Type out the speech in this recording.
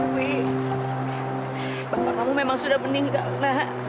wih bapak kamu memang sudah meninggal